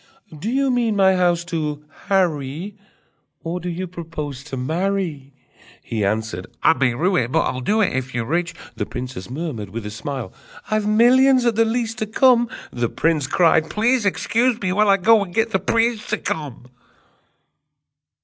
Do you mean my house to harry, Or do you propose to marry?" He answered: "I may rue it, But I'll do it, If you're rich!" The princess murmured with a smile: "I've millions, at the least, to come!" The prince cried: "Please excuse me, while I go and get the priest to come!"